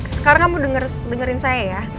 sekarang kamu dengerin saya ya